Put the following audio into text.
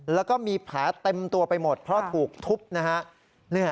แล้วก็มีแผลเต็มตัวไปหมดเพราะถูกทุบนะฮะ